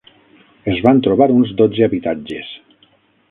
Es van trobar uns dotze habitatges.